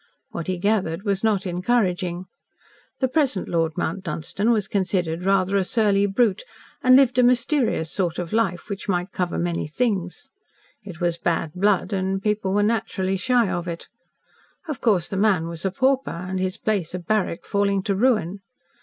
What he gathered was not encouraging. The present Lord Mount Dunstan was considered rather a surly brute, and lived a mysterious sort of life which might cover many things. It was bad blood, and people were naturally shy of it. Of course, the man was a pauper, and his place a barrack falling to ruin.